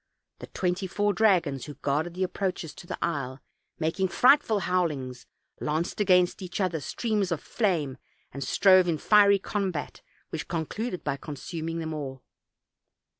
The twenty four dragons who guarded the approaches to the isle, making frightful howlings, lanced against each other streams of flame, and strove in fiery combat, which concluded by consuming them all.